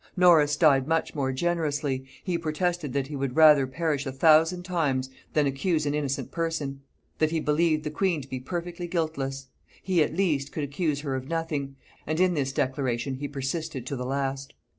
Norris died much more generously: he protested that he would rather perish a thousand times than accuse an innocent person; that he believed the queen to be perfectly guiltless; he, at least, could accuse her of nothing; and in this declaration he persisted to the last.